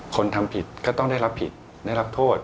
คนทำผิดก็ต้องได้รับผิดได้รับโทษ